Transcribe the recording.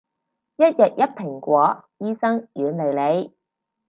一日一蘋果，醫生遠離你